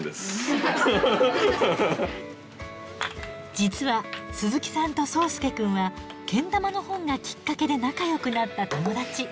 実は鈴木さんと想亮くんはけん玉の本がきっかけで仲よくなった友達。